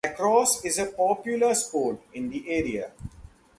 Lacrosse is a popular sport in the area.